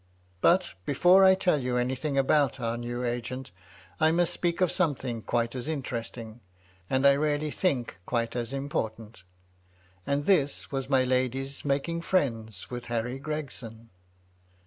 But, before I tell you anything about our new agent, I must speak of something quite as interest ing, and I really think quite as important And this was my lady's making friends with Harry Gregson.